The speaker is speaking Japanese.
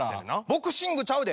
ボクシングちゃうで。